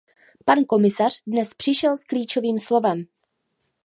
Pan komisař dnes přišel s klíčovým slovem.